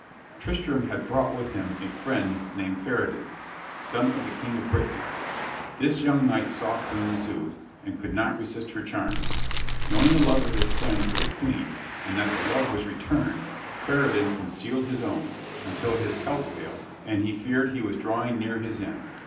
Tristram had brought with him a friend named Pheredin, son of the king of Brittany. This young knight saw Queen Isoude, and could not resist her charms. Knowing the love of his friend for the queen, and that that love was returned, Pheredin concealed his own, until his health failed, and he feared he was drawing near his end.